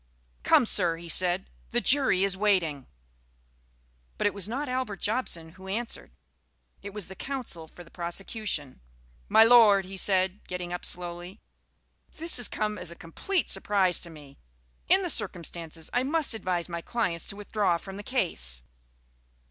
"Come, Sir!" he said; "the jury is waiting." But it was not Albert Jobson who answered. It was the counsel for the prosecution. "My lord," he said, getting up slowly, "this has come as a complete surprise to me. In the circumstances I must advise my clients to withdraw from the case."